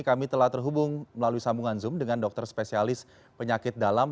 kami telah terhubung melalui sambungan zoom dengan dokter spesialis penyakit dalam